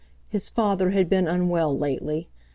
His father had been unwell lately.